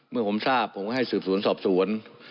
เมื่อผมทราบผมก็ให้สืบสวนสอบสวน